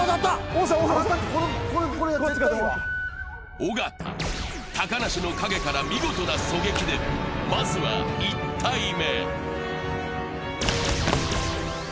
尾形、高梨の陰から見事な狙撃でまずは１体目。